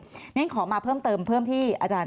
ทำไมรัฐต้องเอาเงินภาษีประชาชน